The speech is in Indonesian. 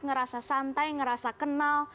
ngerasa santai ngerasa kenal